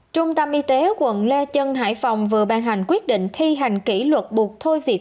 trung tâm y tế quận lê trân hải phòng vừa ban hành quyết định thi hành kỷ luật buộc thôi việc